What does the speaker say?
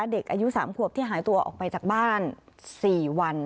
เด็กอายุ๓ขวบที่หายตัวออกไปจากบ้าน๔วัน